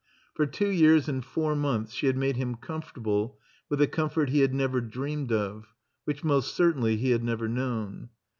For two years and four months she had made him comfortable with a comfort he had never dreamed of, which most certainly he had never known.